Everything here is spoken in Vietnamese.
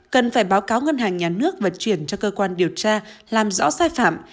cần phải báo cáo ngân hàng nhà nước và chuyển cho cơ quan điều tra làm rõ sai phạm